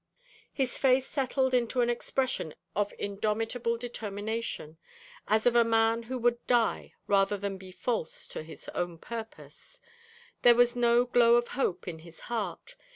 His face settled into an expression of indomitable determination, as of a man who would die rather than be false to his own purpose. There was no glow of hope in his heart.